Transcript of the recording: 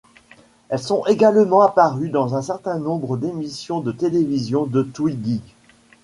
Elles sont également apparues dans un certain nombre d'émissions de télévision de Twiggy.